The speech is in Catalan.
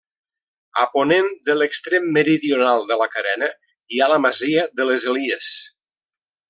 A ponent de l'extrem meridional de la carena hi ha la masia de les Elies.